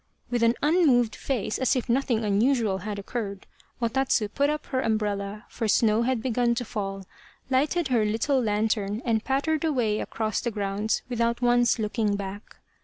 With an unmoved face as if nothing unusual had occurred, O Tatsu put up her umbrella, for snow had begun to fall, lighted her little lantern and pattered away across the grounds without once looking back.